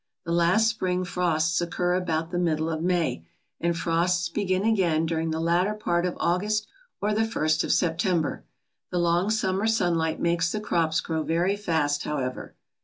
The last spring frosts occur about the middle of May, and frosts begin again during the latter part of August or the first of September. The long summer sunlight makes the crops grow very fast, however.